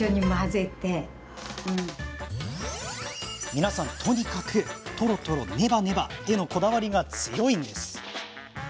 皆さん、とにかくトロトロネバネバへのこだわりが強いんです。